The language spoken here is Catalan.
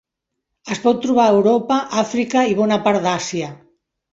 Es pot trobar a Europa, Àfrica i bona part d'Àsia.